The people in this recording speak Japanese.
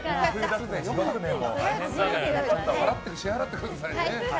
ちゃんと支払ってくださいね。